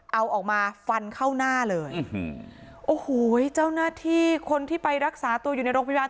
เอาออกมาฟันเข้าหน้าเลยโอ้โหเจ้าหน้าที่คนที่ไปรักษาตัวอยู่ในโรงพยาบาล